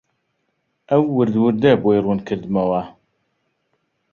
ئەو وردوردە بۆی ڕوون کردمەوە